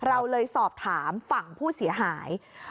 เราเลยสอบถามฝั่งผู้เสียหาย